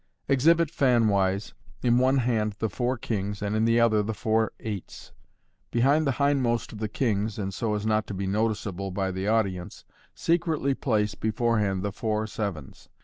— Exhibit, fanwise., in one hand the four kings, and in the other the four eights. Behind the hindmost of the kings, and so as not to be noticeable by the MODERN MAGIC. 49 audience, secretly place beforehand the four sevens.